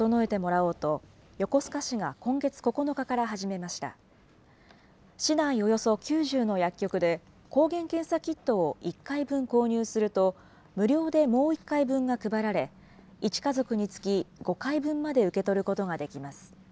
およそ９０の薬局で、抗原検査キットを１回分購入すると、無料でもう１回分が配られ、１家族につき５回分まで受け取ることができます。